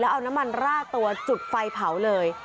เอาน้ำมันราดตัวจุดไฟเผาเลย